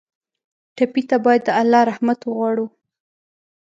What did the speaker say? ټپي ته باید د الله رحمت وغواړو.